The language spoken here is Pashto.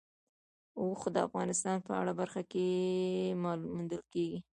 اوښ د افغانستان په هره برخه کې موندل کېږي.